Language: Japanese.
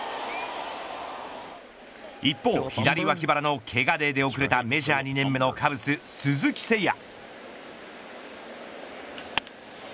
一方、左脇腹のけがで出遅れたメジャー２年目のカブス、鈴木誠也。